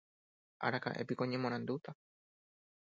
Araka'épiko oñemoarandúta.